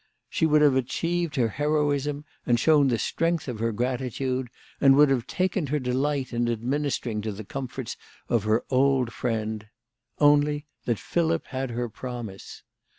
She would have achieved her heroism, and shown the strength of her gratitude, and would have taken her delight in administering to the comforts of her old friend, only that Philip had her promise.